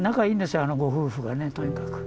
あのご夫婦がねとにかく。